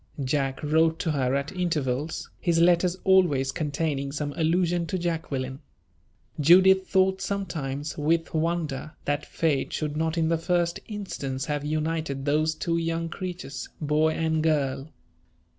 Jack wrote to her at intervals, his letters always containing some allusion to Jacqueline. Judith thought sometimes, with wonder, that Fate should not in the first instance have united those two young creatures, boy and girl.